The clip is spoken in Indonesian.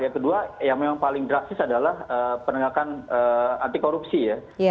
yang kedua yang memang paling drastis adalah penengakan antikorupsi ya